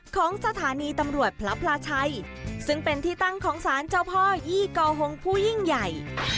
ของสถานีตำรวจพระพลาชัยซึ่งเป็นที่ตั้งของสารเจ้าพ่อยี่กอหงผู้ยิ่งใหญ่